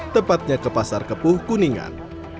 tepatnya ke pasar kepuh kuningan